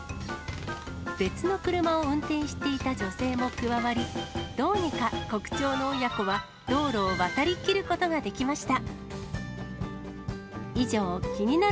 別の車を運転していた女性も加わり、どうにかコクチョウの親子は、道路を渡りきることができました。